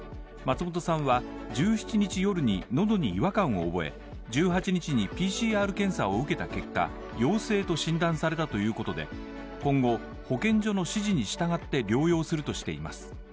松本さんは１７日夜に喉に違和感を覚え１８日にＰＣＲ検査を受けた結果陽性と診断されたということで今後、保健所の指示に従って療養するとしています。